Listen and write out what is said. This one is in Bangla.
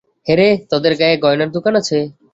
হ্যারে, তোদের গায়ে গয়নার দোকান আছে?